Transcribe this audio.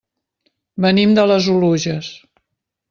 Venim de les Oluges.